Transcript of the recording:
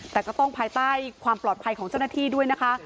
แต่ก็ต้องภายใต้ความปลอดภัยของเจ้าหน้าที่ด้วยนะคะ